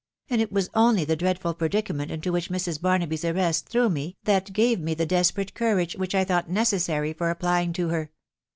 '. and it was only tee dreadful predicament into which Mrs. Barnaby's arrest me, that gave me the desperate courage which I thought sary for applying to her.